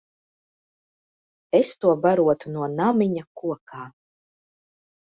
Es to barotu no namiņa kokā.